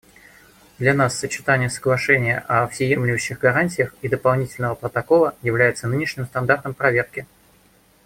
Для нас сочетание Соглашения о всеобъемлющих гарантиях и Дополнительного протокола является нынешним стандартом проверки.